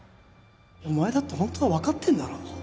お前だってホントは分かってんだろ